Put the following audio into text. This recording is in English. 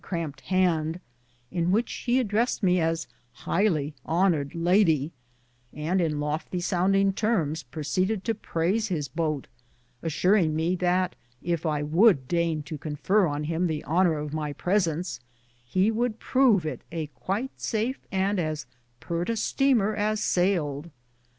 cramped hand, in which he addressed me as " highly honored lady," and in lofty sounding terms proceeded to praise his boat, assuring me that if I would deign to confer on him the honor of my presence, he would prove it to be quite safe, and as '* peert " a steamer as sailed.